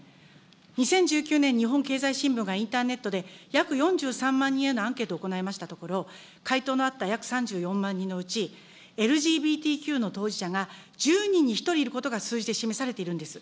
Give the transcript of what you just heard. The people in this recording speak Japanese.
２０１９年日本経済新聞がインターネットで約４３万人へのアンケートを行いましたところ、回答のあった約３４万人のうち、ＬＧＢＴＱの当事者が１０人に１人いることが数字で示されているんです。